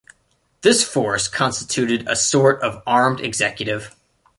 This force constituted a sort of armed executive.